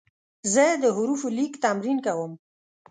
زه د حروفو لیک تمرین کوم.